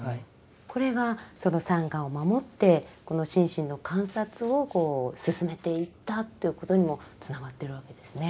これがそのサンガを守って心身の観察を進めていったということにもつながってるわけですね。